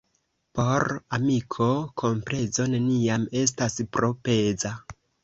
Por amiko komplezo neniam estas tro peza.